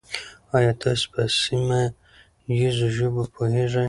آیا تاسو په سیمه ییزو ژبو پوهېږئ؟